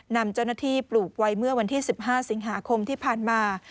นำเจ้าหน้าที่ปลูกไว้เมื่อวันที่๑๕สิงหาคมที่ผ่านมา